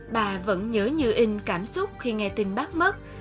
bà vẫn nhớ như in cảm xúc khi nghe tin bác mất